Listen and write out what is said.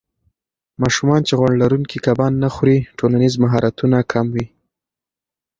ماشومان چې غوړ لرونکي کبان نه خوري، ټولنیز مهارتونه کم وي.